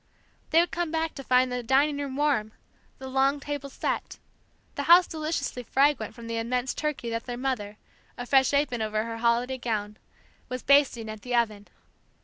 They would come back to find the dining room warm, the long table set, the house deliciously fragrant from the immense turkey that their mother, a fresh apron over her holiday gown, was basting at the oven.